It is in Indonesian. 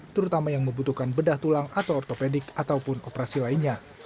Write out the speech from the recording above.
terutama yang membutuhkan bedah tulang atau ortopedik ataupun operasi lainnya